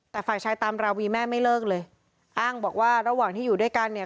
แต่ฝ่ายชายตามราวีแม่ไม่เลิกเลยอ้างบอกว่าระหว่างที่อยู่ด้วยกันเนี่ย